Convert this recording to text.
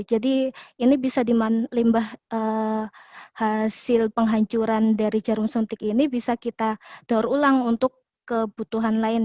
jadi ini bisa di limbah hasil penghancuran dari jarum suntik ini bisa kita daur ulang untuk kebutuhan lain